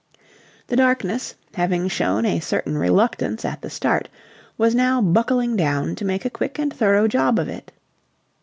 The darkness, having shown a certain reluctance at the start, was now buckling down to make a quick and thorough job of it.